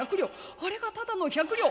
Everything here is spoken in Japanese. あれがただの１００両！